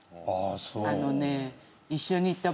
あのね。